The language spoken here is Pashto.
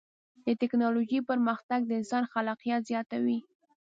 د ټکنالوجۍ پرمختګ د انسان خلاقیت زیاتوي.